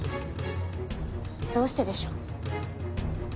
どうしてでしょう？